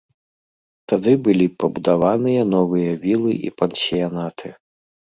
Тады былі пабудаваныя новыя вілы і пансіянаты.